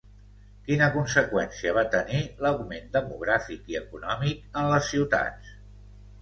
Quina conseqüència va tenir l'augment demogràfic i econòmic en les ciutats?